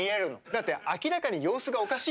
だって明らかに様子がおかしいもの。